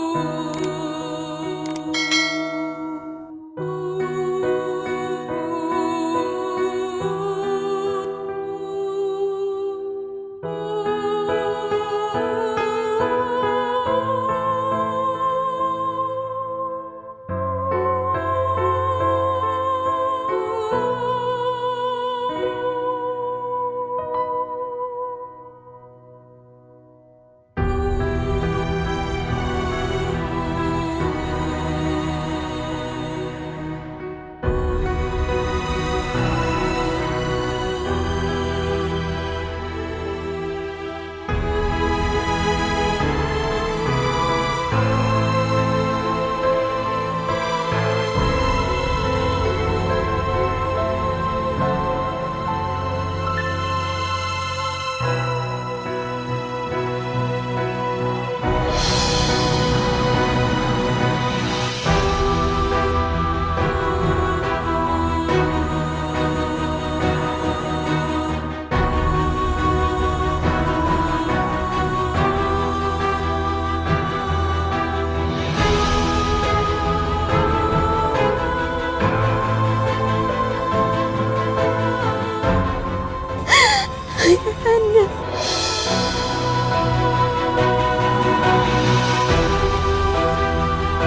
dari sang dewan